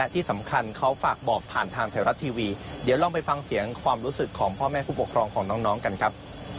ที่สำคัญเขาฝากบอกผ่านทางไทยรัฐทีวีเดี๋ยวลองไปฟังเสียงความรู้สึกของพ่อแม่ผู้ปกครองของน้องกันครับ